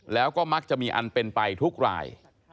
แล้วก็มักจะมีอันเป็นไปทุกราย